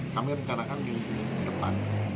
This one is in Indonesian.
kami rencanakan minggu depan